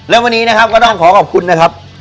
และวันนี้นะครับก็ต้องขอขอบคุณนะครับ